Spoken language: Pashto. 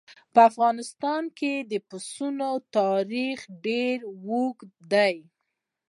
په افغانستان کې د پسونو تاریخ ډېر اوږد دی.